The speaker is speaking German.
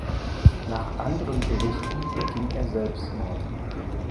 Nach anderen Berichten beging er Selbstmord.